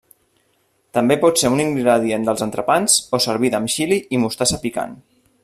També pot ser un ingredient dels entrepans o servida amb xili i mostassa picant.